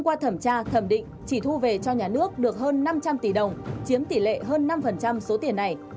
qua thẩm tra thẩm định chỉ thu về cho nhà nước được hơn năm trăm linh tỷ đồng chiếm tỷ lệ hơn năm số tiền này